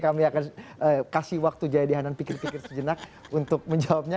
kami akan kasih waktu jaya dihanan pikir pikir sejenak untuk menjawabnya